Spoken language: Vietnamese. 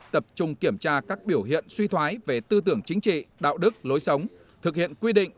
tập trung kiểm tra các biểu hiện suy thoái về tư tưởng chính trị đạo đức lối sống thực hiện quy định